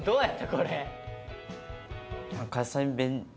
これ。